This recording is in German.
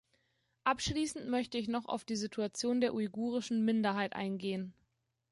Abschließend möchte ich noch auf die Situation der uigurischen Minderheit eingehen.